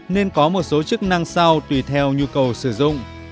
nên có một số chức năng sau tùy theo nhu cầu sử dụng